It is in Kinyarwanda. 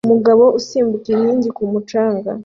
Umugabo usimbuka inkingi ku mucanga